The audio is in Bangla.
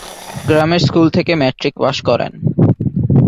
গ্রামের স্কুল থেকে ম্যাট্রিক পাশ করেন।